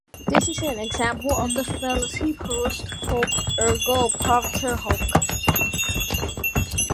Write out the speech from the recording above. This is an example of the fallacy post hoc ergo propter hoc.